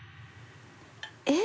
えっ？